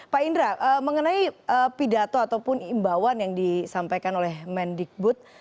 pak indra mengenai pidato ataupun imbauan yang disampaikan oleh mendikbud